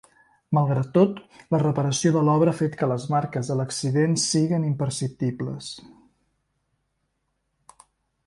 Malgrat tot, la reparació de l'obra ha fet que les marques de l'accident siguin imperceptibles.